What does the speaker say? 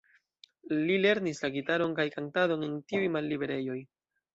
Li lernis la gitaron kaj kantadon en tiuj malliberejoj.